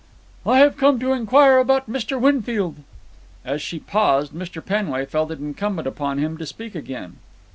"I have come to inquire about Mr. Winfield." As she paused Mr. Penway felt it incumbent upon him to speak again.